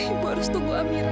ibu harus tunggu amira bu